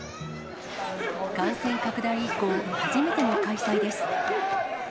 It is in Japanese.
感染拡大以降、初めての開催です。